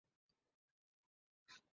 ছুরি ছাড়া ভালো হয়।